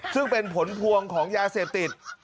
ซึ่งเป็นผลพวงของยาเสพติด